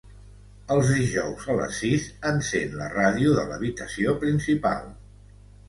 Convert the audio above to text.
Els dijous a les sis encèn la ràdio de l'habitació principal.